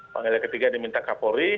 panggilan ketiga diminta kapolri